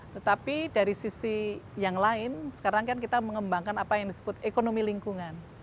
tetapi dari sisi yang lain sekarang kan kita mengembangkan apa yang disebut ekonomi lingkungan